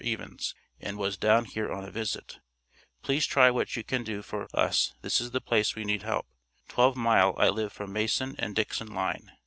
Evens and wos down here on a visit, pleas try what you can do for us this is the place we need help, 12 mile i live from mason and Dixson Line.